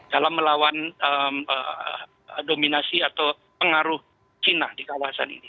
dalam melawan dominasi atau pengaruh cina di kawasan ini